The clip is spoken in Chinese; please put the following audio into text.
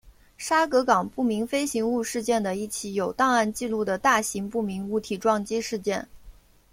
沙格港不明飞行物事件的一起有档案记录的大型不明物体撞击事件。